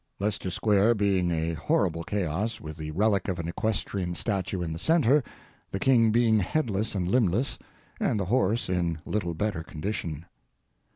[Leicester Square being a horrible chaos, with the relic of an equestrian statue in the centre, the king being headless and limbless, and the horse in little better condition.